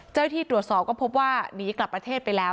ที่ตรวจสอบก็พบว่าหนีกลับประเทศไปแล้ว